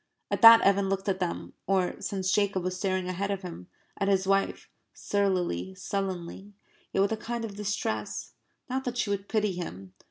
At that Evan looked at them, or, since Jacob was staring ahead of him, at his wife, surlily, sullenly, yet with a kind of distress not that she would pity him.